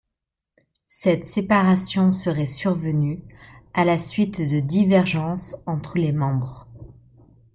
Cette séparation serait survenue à la suite de divergences entre les membres.